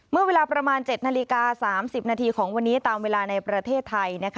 เมื่อเวลาประมาณ๗นาฬิกา๓๐นาทีของวันนี้ตามเวลาในประเทศไทย